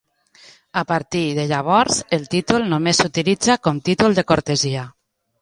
A partir de llavors el títol només s'utilitza com títol de cortesia.